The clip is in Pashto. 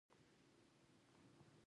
د غڼې د چیچلو لپاره کچالو وکاروئ